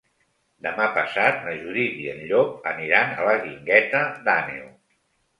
Demà passat na Judit i en Llop aniran a la Guingueta d'Àneu.